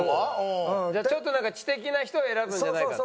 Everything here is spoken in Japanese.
ちょっとなんか知的な人を選ぶんじゃないかと。